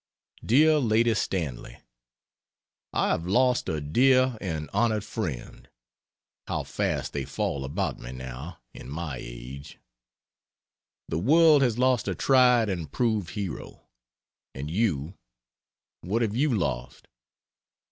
DEAR LADY STANLEY, I have lost a dear and honored friend how fast they fall about me now, in my age! The world has lost a tried and proved hero. And you what have you lost?